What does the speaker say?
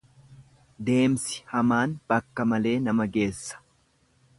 Deemsi hamaan bakka malee nama geessa.